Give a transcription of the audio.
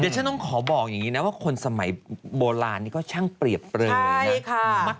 ฉันต้องขอบอกอย่างนี้นะว่าคนสมัยโบราณนี้ก็ช่างเปรียบเปลยนะ